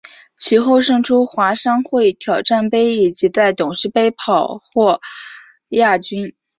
其后胜出华商会挑战杯以及在董事杯跑获亚军。